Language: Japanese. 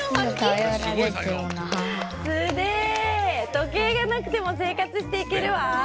時計がなくてもせいかつしていけるわ。